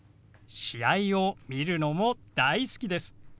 試合を見るのも大好きです。